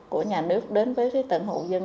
của nhà nước đến với tận hộ dân